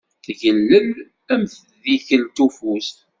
Tgellel, am tdikelt ufus.